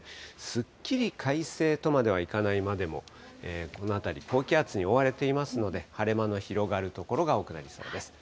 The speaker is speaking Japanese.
すっきり快晴とまではいかないまでも、この辺り、高気圧に覆われていますので、晴れ間の広がる所が多くなりそうです。